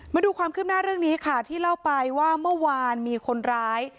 มาดูความคืบหน้าเรื่องนี้ค่ะที่เล่าไปว่าเมื่อวานมีคนร้าย